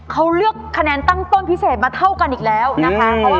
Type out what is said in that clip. เขาเลือกคะแนนตั้งต้นพิเศษมาเท่ากันอีกแล้วนะคะ